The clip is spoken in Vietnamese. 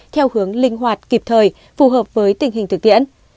theo hướng linh hoạt kịp thời phù hợp với tình hình thực tiễn